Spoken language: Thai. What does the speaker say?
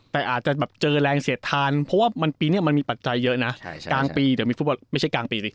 แต่อาจจะเจอแรงเสร็จทานเพราะว่าปีนี้มันมีปัจจัยเยอะนะ